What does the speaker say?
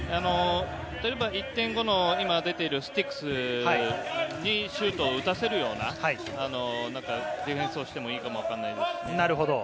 １．５のスティクスにシュートを打たせるようなディフェンスをしてもいいかもわかんないです。